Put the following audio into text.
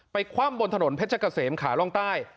ไปคว่ำบนถนนเพชรกะเสมขาล่องตาย